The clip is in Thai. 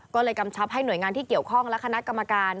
ก็เลยกำชับให้หน่วยงานที่เกี่ยวข้องและคณะกรรมการ